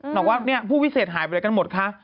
หลอกว่าผู้พิเศษหายไปแล้วกันหมดค่ะ